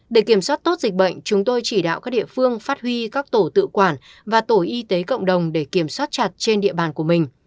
để kiểm soát tốt dịch bệnh chúng tôi chỉ đạo các địa phương phát huy các tổ tự quản và tổ y tế cộng đồng để kiểm soát chặt trên địa bàn của mình